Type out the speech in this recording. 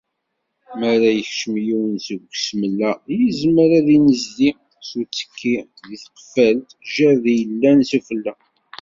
Mi ara yekcem yiwen deg usmel-a, yezmer ad yennezdi s uttekki deg tqeffalt " Jerred" i yellan s ufella.